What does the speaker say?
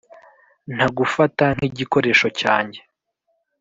ntagufata nk’igikoresho cyanjye